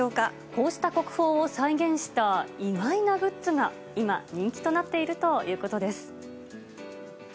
こうした国宝を再現した意外なグッズが、今、人気となっているということです。